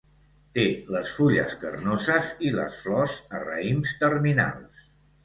Té les fulles carnoses i les flors a raïms terminals.